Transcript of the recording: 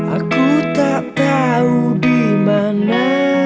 aku tak tahu dimana